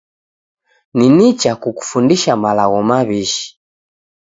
Ni nicha kukufundisha malagho maw'ishi.